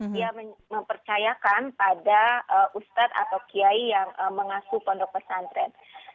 dia mempercayakan pada ustadz atau kiai yang mengaku pondok pesantren